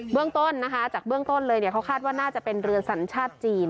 เรื่องต้นนะคะจากเบื้องต้นเลยเขาคาดว่าน่าจะเป็นเรือสัญชาติจีน